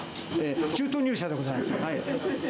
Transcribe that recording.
中途入社でございます。